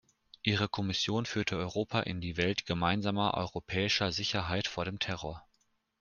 Ihre Kommission führte Europa in die Welt gemeinsamer europäischer Sicherheit vor dem Terror.